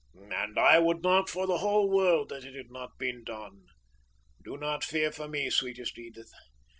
"And I would not for the whole world that it had not been done! Do not fear for me, sweetest Edith!